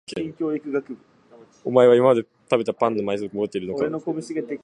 お前は今まで食べたパンの枚数を覚えているのか？